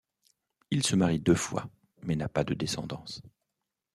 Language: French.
Il se marie deux fois, mais n'a pas de descendance.